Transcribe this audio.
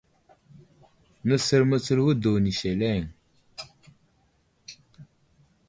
Nəsər mətsəl wədo ni seleŋ.